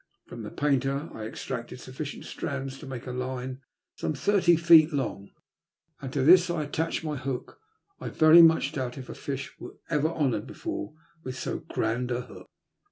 From the painter I extracted sofficient strands to make a line some thirty feet long, and to this I attached my hook. I very much doubt if a fish were ever honoured before with so grand a hook.